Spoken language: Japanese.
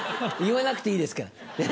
言わなくていいですから。